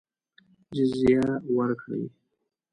جزیه ورکړي.